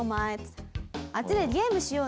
あっちでゲームしようぜ」。